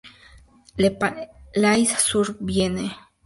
Le Palais-sur-Vienne